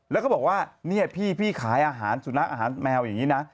แล้วก็บอกว่าเนี่ยพี่ขายอาหารสุนัขอาหารแมวอย่างนี้นะ